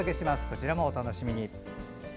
そちらもお楽しみに。